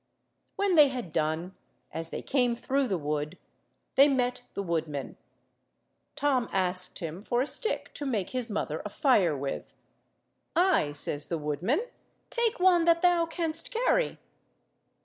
When they had done, as they came through the wood, they met the woodman. Tom asked him for a stick to make his mother a fire with. "Ay," says the woodman. "Take one that thou canst carry."